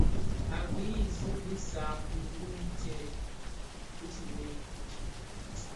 Å kpii zig bi nsàdki wu ctsee (bi kirèè).